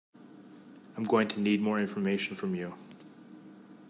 I am going to need more information from you